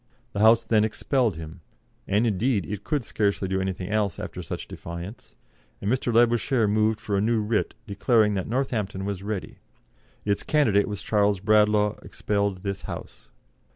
The House then expelled him and, indeed, it could scarcely do anything else after such defiance and Mr. Labouchere moved for a new writ, declaring that Northampton was ready, its "candidate was Charles Bradlaugh, expelled this House."